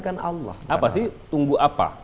kan allah apa sih tunggu apa